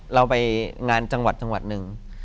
เราไปงานจังหวัดจังหวัดหนึ่ง